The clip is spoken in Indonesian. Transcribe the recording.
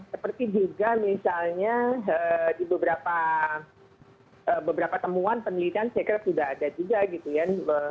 seperti juga misalnya di beberapa temuan penelitian saya kira sudah ada juga gitu ya